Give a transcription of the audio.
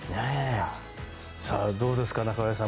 どうですか、中林さん。